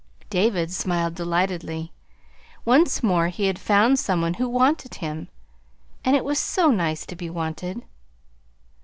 David smiled delightedly; once more he had found some one who wanted him and it was so nice to be wanted!